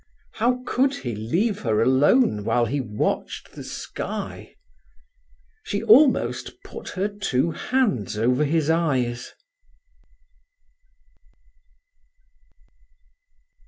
How could he leave her alone while he watched the sky? She almost put her two hands over his eyes.